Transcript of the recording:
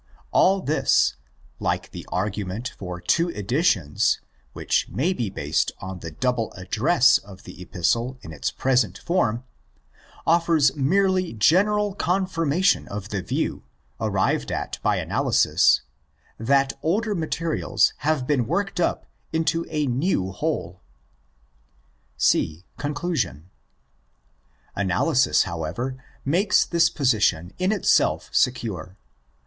All this—like the argument for two editions which may be based on the double address of the Epistle in its present form—offers merely general confirmation of the view, arrived at by analysis, that older materials have been worked up into a new whole. C.—Conclusion. Analysis, however, makes this position in itself secure.